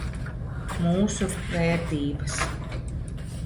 Mūsu vērtības.